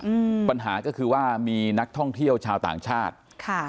อืมปัญหาก็คือว่ามีนักท่องเที่ยวชาวต่างชาติค่ะ